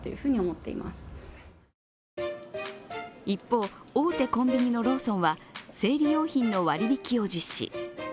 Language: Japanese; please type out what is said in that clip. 一方、大手コンビニのローソンは生理用品の割り引きを実施。